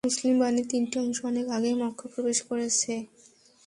মুসলিম বাহিনীর তিনটি অংশ অনেক আগেই মক্কায় প্রবেশ করেছে।